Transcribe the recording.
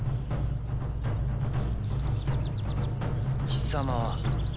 貴様は。